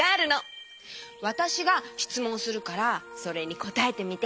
わたしがしつもんするからそれにこたえてみて。